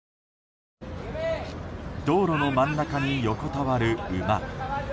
道路の真ん中に横たわる馬。